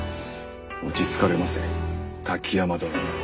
落ち着かれませ滝山殿。